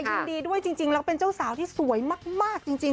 ยินดีด้วยจริงแล้วเป็นเจ้าสาวที่สวยมากจริง